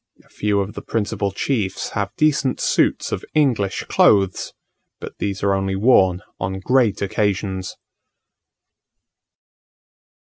A few of the principal chiefs have decent suits of English clothes; but these are only worn on great occasions.